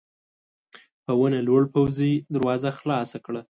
په ونه لوړ پوځي دروازه خلاصه کړه.